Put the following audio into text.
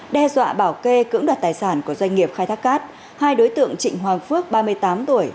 đe dọa bảo kê cưỡng đoạt tài sản của doanh nghiệp khai thác cát hai đối tượng trịnh hoàng phước ba mươi tám tuổi